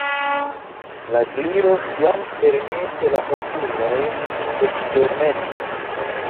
La Gliro, jam ferminte la okulojn, ekdormetis.